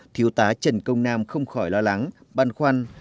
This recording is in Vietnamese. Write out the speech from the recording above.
thiếu tá trần công nam không khỏi lo lắng băn khoăn